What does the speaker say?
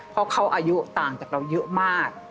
เพราะเขาอายุต่างจากเราเยอะมาก